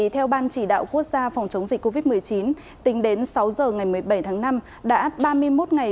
theo ban chỉ đạo quốc gia phòng chống dịch covid một mươi chín tính đến sáu giờ ngày một mươi bảy tháng năm đã ba mươi một ngày